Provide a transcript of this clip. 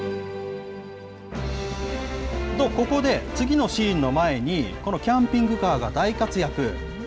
ここで、次のシーンの前に、このキャンピングカーが大活躍。